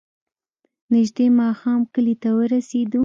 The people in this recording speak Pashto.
نژدې ماښام کلي ته ورسېدو.